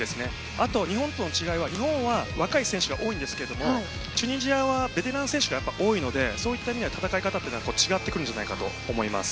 あと、日本との違いは日本は若い選手が多いですがチュニジアはベテラン選手が多いのでそういった意味では戦い方は違ってくると思います。